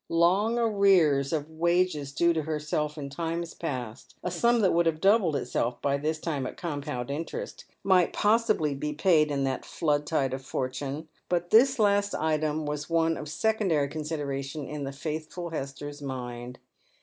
Long arrears of wages due to herself in times past, ri sum that would have doubled itself by this time at compound interest, might possibly be paid in that flood tide of fortune ; but this last item was one of secondary consideration in the faithful Hester's miad.